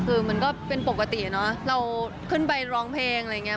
คือมันก็เป็นปกติเนอะเราขึ้นไปร้องเพลงอะไรอย่างนี้